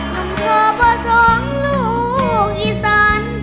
ฝรั่งจบว่าสองลูกอีสัน